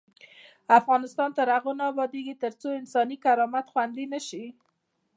افغانستان تر هغو نه ابادیږي، ترڅو انساني کرامت خوندي نشي.